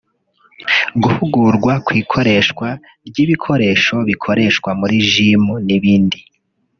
guhugurwa ku ikoreshwa ry’ibikoresho bikoreshwa muri Gyms n’ibindi